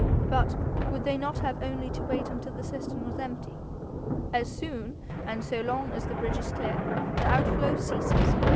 'But would they not have only to wait until the cistern was empty?' 'As soon and so long as the bridge is clear, the outflow ceases.